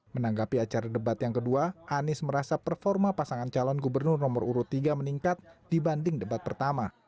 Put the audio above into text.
menanggapi acara debat yang kedua anies merasa performa pasangan calon gubernur nomor urut tiga meningkat dibanding debat pertama